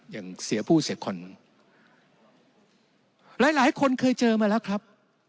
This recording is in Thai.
อย่างเสียผู้เสียคนหลายหลายคนเคยเจอมาแล้วครับ